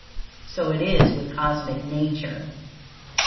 So it is with Cosmic Nature.